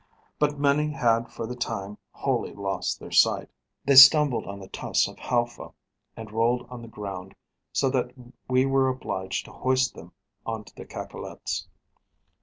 But many had for the time wholly lost their sight; they stumbled on the tufts of halfa, and rolled on the ground, so that we were obliged to hoist them on the cacolets.